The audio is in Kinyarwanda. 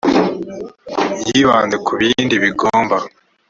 yibanze ku bindi bigomba